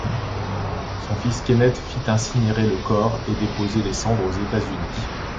Son fils Kenneth fit incinérer le corps et déposer les cendres aux États-Unis.